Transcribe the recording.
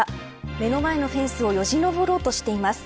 目の前のフェンスをよじ登ろうとしています。